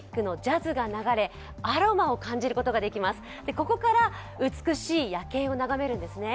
ここから美しい夜景を眺めるんです。